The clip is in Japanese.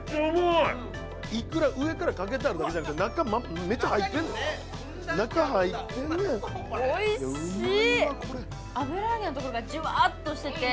いくら上からかけてあるだけじゃなくて中めっちゃ入ってんの中入ってんねんうまいわこれおいしい！